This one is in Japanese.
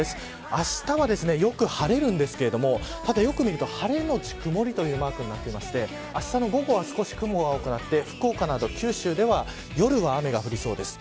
あしたはよく晴れるんですけれどもただ、よく見ると晴れのち曇りというマークになっていてあしたの午後は少し雲が多くなって福岡など九州では夜は雨が降りそうです。